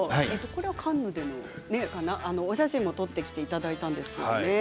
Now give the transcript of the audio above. お写真を撮ってきていただいたんですよね。